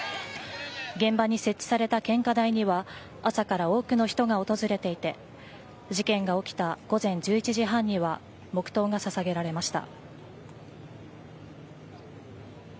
現場に設置された献花台には朝から多くの人が訪れていて事件が起きた午前１１時半には黙とうが捧げられました。